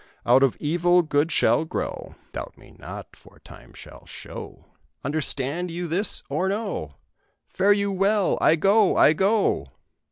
Out of evil good shall grow Doubt me not, for time shall show. Understand you this, or no? Fare you well! I go I go!"